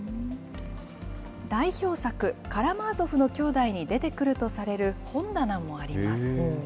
代表作、カラマーゾフの兄弟に出てくるとされる本棚もあります。